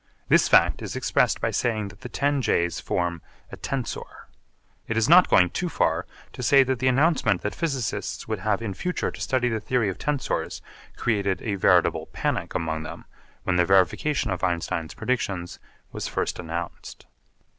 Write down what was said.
This fact is expressed by saying that the ten J's form a 'tensor.' It is not going too far to say that the announcement that physicists would have in future to study the theory of tensors created a veritable panic among them when the verification of Einstein's predictions was first announced.